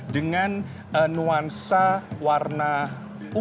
dengan nuansa warna ungu